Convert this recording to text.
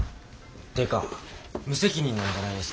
っていうか無責任なんじゃないですか。